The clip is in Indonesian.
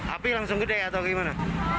api langsung gede atau gimana